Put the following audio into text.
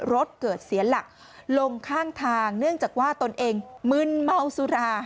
รถเกิดเสียหลักลงข้างทางเนื่องจากว่าตนเองมึนเมาสุรา